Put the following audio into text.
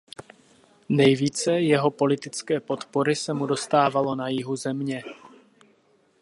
Nejvíce jeho politické podpory se mu dostávalo na jihu země.